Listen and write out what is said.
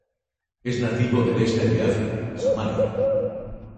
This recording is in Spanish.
Es nativo del este de África, Somalia.